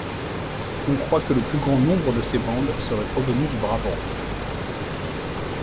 On croit que le plus grand nombre de ces bandes serait provenu du Brabant.